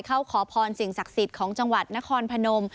ขอพรสิ่งศักดิ์สิทธิ์ของจังหวัดนครพนม